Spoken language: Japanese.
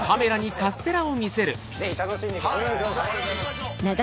ぜひ楽しんでください。